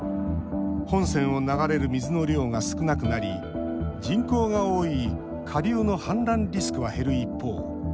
本川を流れる水の量が少なくなり人口が多い下流の氾濫リスクは減る一方